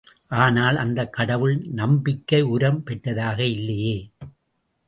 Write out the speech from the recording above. ஆனால் அந்தக் கடவுள் நம்பிக்கை உரம் பெற்றதாக இல்லையே.